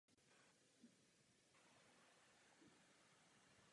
Farníci se scházejí vždy v první sobotu v měsíci k slavní mariánské pobožnosti.